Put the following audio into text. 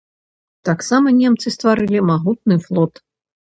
Таксама немцы стварылі магутны флот.